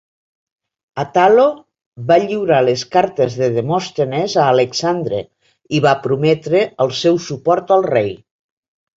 Atalo va lliurar les cartes de Demòstenes a Alexandre i va prometre el seu suport al rei.